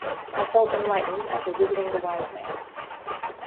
I felt enlightened after visiting the wise man.